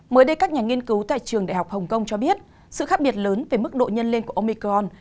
mới đây các nhà nghiên cứu tại trường đại học hồng kông cho biết sự khác biệt lớn về mức độ nhân lên của omicron